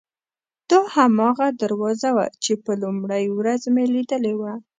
دا هماغه دروازه وه چې په لومړۍ ورځ مې لیدلې وه.